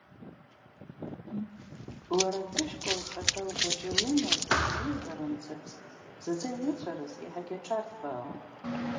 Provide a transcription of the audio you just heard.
Лара ҭышькәа лхаҭа лгәаҿы илымаз абзиабара мцабз заҵа имыцәарыз, иаҳагьы аҽарҭбаауан.